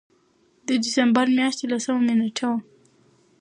د دسمبر مياشتې لسمه نېټه وه